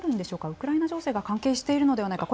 ウクライナ情勢が関係しているのではないか。